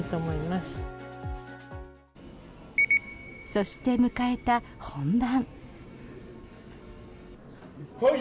そして迎えた本番。